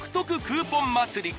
クーポン祭り